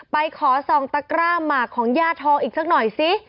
ไปขอส่องตะกร้าหมากของย่าทองอีกสักหน่อยซิ